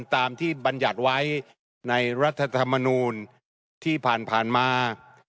ตามที่บรรยัติไว้ในรัฐธรรมนูลที่ผ่านมา